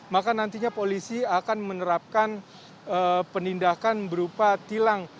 maka nantinya polisi akan menerapkan penindakan berupa tilang